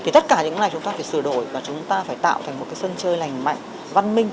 thì tất cả những này chúng ta phải sửa đổi và chúng ta phải tạo thành một sân chơi lành mạnh văn minh